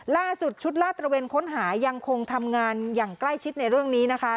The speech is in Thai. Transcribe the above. ล่าสุดชุดลาดตระเวนค้นหายังคงทำงานอย่างใกล้ชิดในเรื่องนี้นะคะ